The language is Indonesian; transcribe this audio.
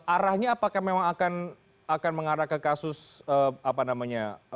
arahnya apakah memang akan mengarah ke kasus apa namanya